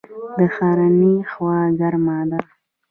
د ښرنې هوا ګرمه ده